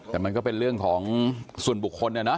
แต่มันก็เป็นเรื่องของส่วนบุคคลนะเนาะ